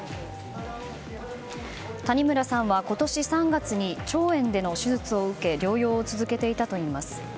谷村さんは今年３月に腸炎での手術を受け療養を続けていたといいます。